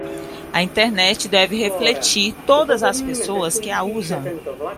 A Internet deve refletir todas as pessoas que a usam